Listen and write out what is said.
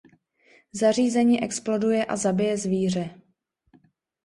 Zařízení exploduje a zabije zvíře.